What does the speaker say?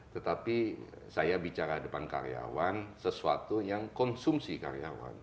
tetapi saya bicara depan karyawan sesuatu yang konsumsi karyawan